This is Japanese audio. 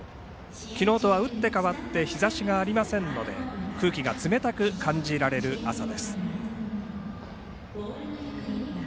昨日とは打って変わって日ざしがありませんので空気が冷たく感じられる朝です。